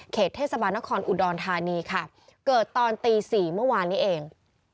เทศบาลนครอุดรธานีค่ะเกิดตอนตีสี่เมื่อวานนี้เอง